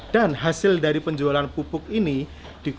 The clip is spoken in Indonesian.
dan hasil dari penjualan domba ini juga memiliki aksi sosial